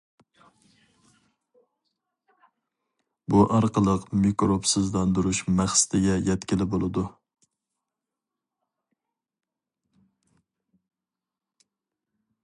بۇ ئارقىلىق مىكروبسىزلاندۇرۇش مەقسىتىگە يەتكىلى بولىدۇ.